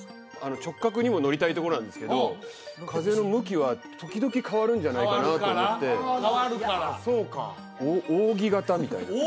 直角にものりたいところなんですけど風の向きは時々変わるんじゃないかなと思って扇型！